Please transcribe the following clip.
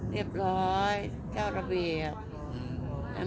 เรียบร้อยเจ้าระเบียบ